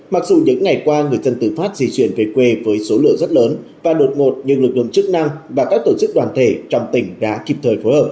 mặc dù những ngày qua người thân từ phát di chuyển về quê với số lượng rất lớn và đột ngột nhưng lực lượng chức năng và các tổ chức đoàn thể trong tỉnh đã kịp thời phối hợp